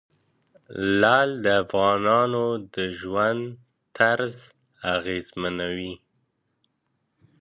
لعل د افغانانو د ژوند طرز اغېزمنوي.